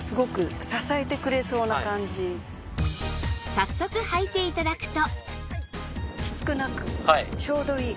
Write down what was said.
早速はいて頂くと